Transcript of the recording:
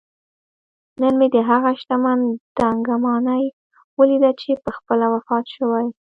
نن مې دهغه شتمن دنګه ماڼۍ ولیده چې پخپله وفات شوی